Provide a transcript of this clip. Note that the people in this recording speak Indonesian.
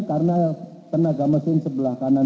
karena tenaga mesin sebelah kanan